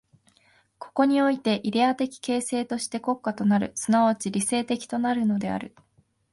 ここにおいてイデヤ的形成的として国家となる、即ち理性的となるのである。